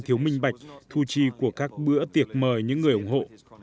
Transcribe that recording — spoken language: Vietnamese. thiếu minh bạch thu chi của các bữa tiệc mời những người ủng hộ